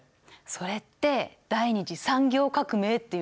それって第２次産業革命っていうんだよ。